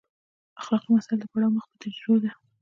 اخلاقي مسایلو ته پروا مخ په تتېدو ده.